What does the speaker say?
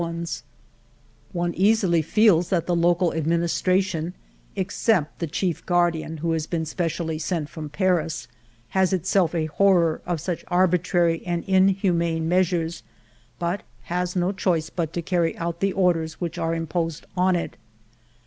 ALFRED DREYFUS 215 One easily feels that the local administration (except the chief guardian who has been specially sent from Paris) has itself a horror of such arbi trary and inhumane measures, but has no choice but to ca^ry out the orders which are imposed on it.